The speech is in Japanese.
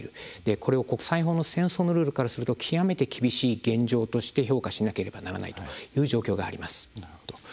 これを国際法の戦争のルールからすると極めて厳しい現状として評価しなければならない現状があります。